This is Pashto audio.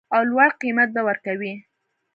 او لوړ قیمت به ورکوي